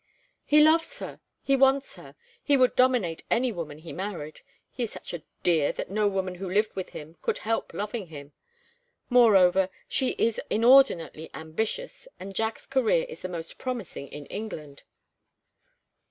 "He loves her. He wants her. He would dominate any woman he married. He is such a dear that no woman who lived with him could help loving him. Moreover, she is inordinately ambitious, and Jack's career is the most promising in England."